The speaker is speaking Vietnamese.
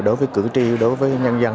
đối với cử tri đối với nhân dân